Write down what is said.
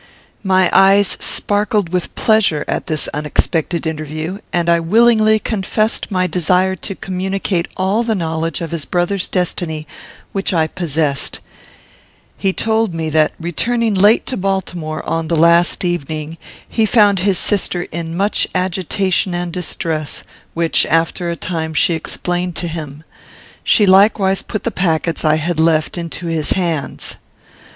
My eyes sparkled with pleasure at this unexpected interview, and I willingly confessed my desire to communicate all the knowledge of his brother's destiny which I possessed. He told me, that, returning late to Baltimore, on the last evening, he found his sister in much agitation and distress, which, after a time, she explained to him. She likewise put the packets I had left into his hands.